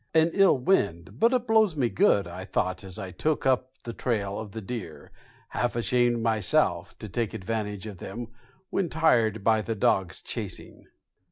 "An ill wind, but it blows me good," I thought, as I took up the trail of the deer, half ashamed myself to take advantage of them when tired by the dog's chasing.